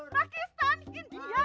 pakistan india semuanya